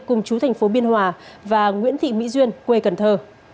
cùng chú tp biên hòa và nguyễn thị mỹ duyên quê cần thơ